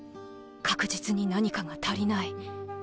確実に何かが足りない。